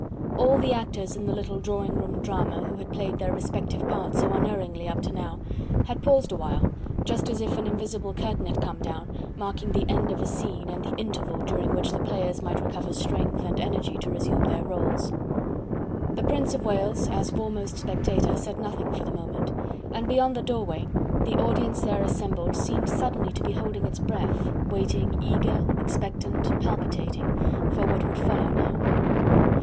All the actors in the little drawing room drama, who had played their respective parts so unerringly up to now, had paused a while, just as if an invisible curtain had come down, marking the end of a scene, and the interval during which the players might recover strength and energy to resume their roles. The Prince of Wales as foremost spectator said nothing for the moment, and beyond the doorway, the audience there assembled seemed suddenly to be holding its breath, waiting eager, expectant, palpitation for what would follow now.